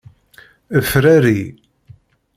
Frari.